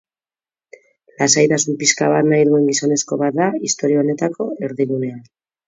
Lasaitasun pixka bat nahi duen gizonezko bat da istorio honetako erdigunea.